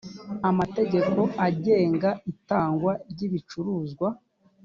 amategeko agenga itangwa ryibicuruzwa.